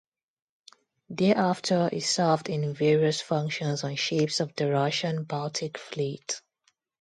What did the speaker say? Thereafter he served in various functions on ships of the Russian Baltic Fleet.